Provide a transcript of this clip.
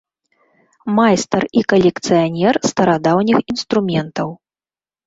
Майстар і калекцыянер старадаўніх інструментаў.